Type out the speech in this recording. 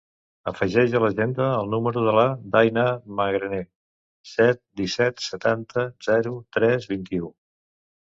Afegeix a l'agenda el número de la Dània Magraner: set, disset, setanta, zero, tres, vint-i-u.